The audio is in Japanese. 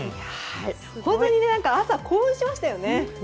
本当に朝、興奮しましたよね。